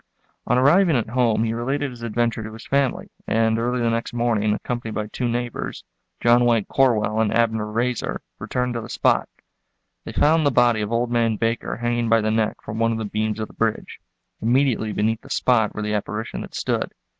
On arriving at home he related his adventure to his family, and early the next morning, accompanied by two neighbors, John White Corwell and Abner Raiser, returned to the spot. They found the body of old man Baker hanging by the neck from one of the beams of the bridge, immediately beneath the spot where the apparition had stood.